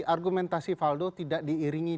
argumentasi valdo tidak diiringi